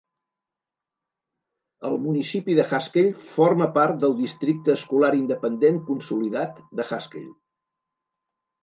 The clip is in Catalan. El municipi de Haskell forma part del districte escolar independent consolidat de Haskell.